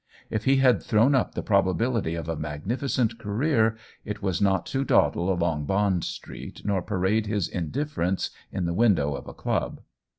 If he had thrown up the probability of a magnificent career, it was not to dawdle along Bond Street nor parade his indifference in the window of a club.